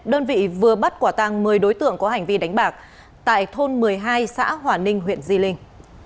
đơn vị vừa bắt quả tăng một mươi đối tượng có hành vi đánh bạc tại thôn một mươi hai xã hòa ninh huyện di linh